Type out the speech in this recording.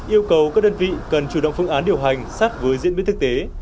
yêu cầu các đơn vị cần chủ động phương án điều hành sát với diễn biến thực tế